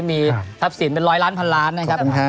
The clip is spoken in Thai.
มีทับสินเป็นร้อยล้านพันล้านเลยครับ